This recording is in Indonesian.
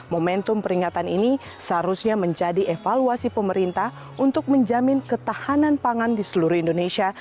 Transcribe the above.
momentum peringatan ini seharusnya menjadi evaluasi pemerintah untuk menjamin ketahanan pangan di seluruh indonesia